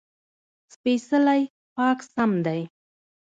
سپېڅلی: پاک سم دی.